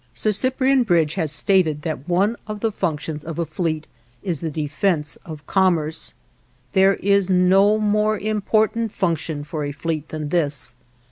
Sir Cyprian Bridge has stated that one of the functions of a fleet is the defense of commerce. There is no more important function for a fleet than this.